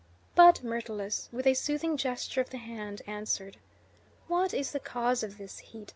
But Myrtilus, with a soothing gesture of the hand, answered: "What is the cause of this heat?